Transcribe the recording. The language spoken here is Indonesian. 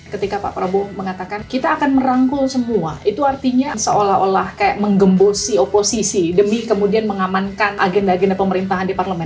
ketika pak prabowo mengatakan kita akan merangkul semua itu artinya seolah olah kayak menggembosi oposisi demi kemudian mengamankan agenda agenda pemerintahan di parlemen